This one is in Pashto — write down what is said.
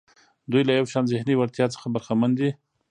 دوی له یو شان ذهني وړتیا څخه برخمن دي.